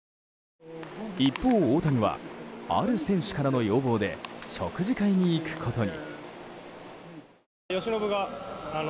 一方、大谷はある選手からの要望で食事会に行くことに。